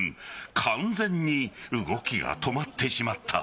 完全に動きが止まってしまった。